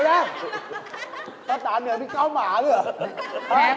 แล้วตาเหนือนี่เกาหมาด้วยเหรอ